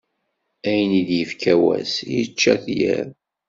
Ayen i d-ifka wass, yečča-t yiḍ.